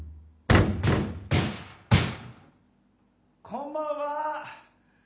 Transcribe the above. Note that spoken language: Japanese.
・こんばんは！